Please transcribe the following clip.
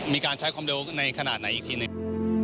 มีการใช้ความเร็วในขนาดไหนอีกทีหนึ่ง